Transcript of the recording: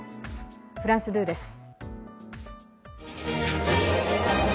フランス２です。